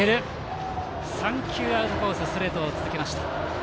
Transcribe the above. ３球、アウトコースのストレートを続けました。